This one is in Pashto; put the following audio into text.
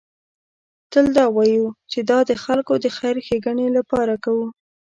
تل دا وایو چې دا د خلکو د خیر ښېګڼې لپاره کوو.